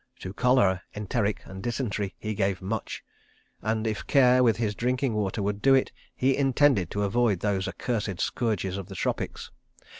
To cholera, enteric and dysentery he gave much, and if care with his drinking water would do it, he intended to avoid those accursed scourges of the tropics.